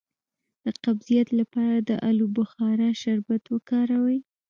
د قبضیت لپاره د الو بخارا شربت وکاروئ